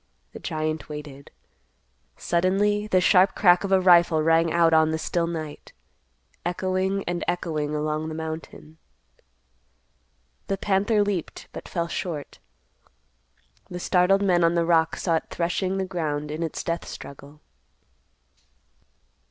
The giant waited. Suddenly the sharp crack of a rifle rang out on the still night, echoing and echoing along the mountain. The panther leaped, but fell short. The startled men on the rock saw it threshing the ground in its death struggle.